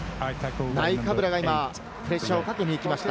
ナイカブラが今、プレッシャーをかけに行きました。